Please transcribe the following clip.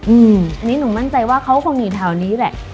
อืมอันนี้หนูมั่นใจว่าเขาคงอยู่แถวนี้แหละ